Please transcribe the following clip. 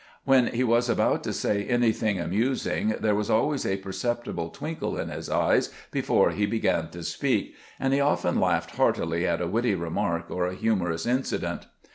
When he was about to say anything amus ing, there was always a perceptible twinkle in his eyes before he began to speak, and he often laughed heartily at a witty remark or a humorous incident.